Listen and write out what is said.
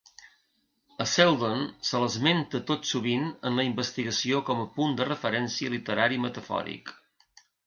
A Seldon se l'esmenta tot sovint en la investigació com a punt de referència literari metafòric.